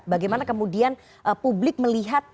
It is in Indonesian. bagaimana kemudian publik melihat